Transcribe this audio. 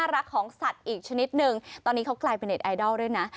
รักของสัตว์อีกชนิดนึงตอนนี้เขากลายเป็นเน็ตไอดอลด้วยนะ